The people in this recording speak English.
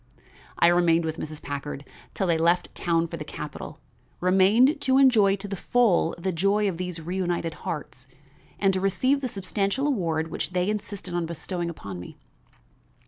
I remained with Mrs. Packard till they left town for the capital; remained to enjoy to the full the joy of these reunited hearts, and to receive the substantial reward which they insisted on bestowing upon me.